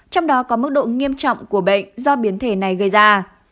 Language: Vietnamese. trong đó có mức độ nghiêm trọng của bệnh do biến thể này gây ra